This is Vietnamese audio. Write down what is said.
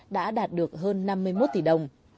đã đạt được hơn năm mươi một tỷ đồng